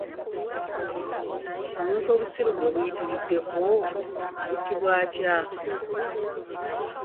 Omuntu obusiru gwe buyitiriddeko ayitibwa atya?